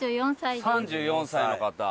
３４歳の方。